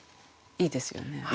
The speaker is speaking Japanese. いいですよね